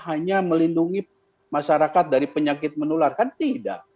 hanya melindungi masyarakat dari penyakit menular kan tidak